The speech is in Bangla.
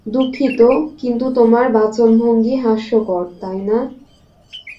দুঃখিত, কিন্তু তোমার বাচনভঙ্গি, হাস্যকর, তাই না?